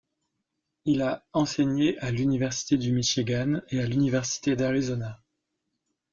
Il a enseigné à l'université du Michigan et à l'université d'Arizona.